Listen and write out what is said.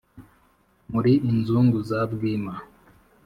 Muri inzungu za Bwima